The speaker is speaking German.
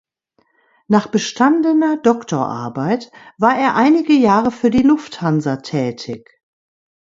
Nach bestandener Doktorarbeit war er einige Jahre für die Lufthansa tätig.